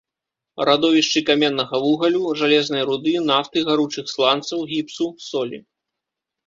Радовішчы каменнага вугалю, жалезнай руды, нафты, гаручых сланцаў, гіпсу, солі.